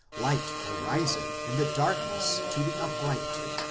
Light ariseth in the darkness to the upright.